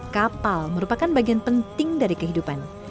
kapal merupakan bagian penting dari kehidupan